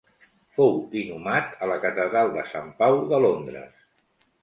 Fou inhumat a la Catedral de Sant Pau de Londres.